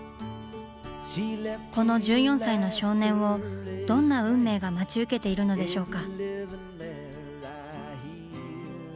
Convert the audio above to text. この１４歳の少年をどんな運命が待ち受けているのでしょうか？